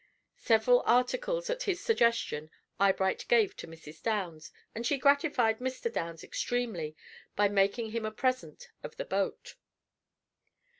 Several articles, at his suggestion, Eyebright gave to Mrs. Downs, and she gratified Mr. Downs extremely by making him a present of the boat.